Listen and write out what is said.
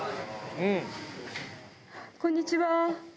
こんにちは。